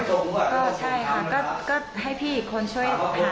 แล้วก็ใช่ค่ะก็ให้พี่อีกคนช่วยหา